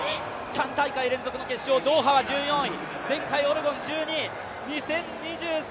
３大会連続決勝、ドーハは１４位前回オレゴン１２位、２０２３